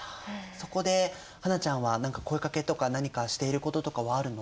そこで英ちゃんは声かけとか何かしていることとかはあるの？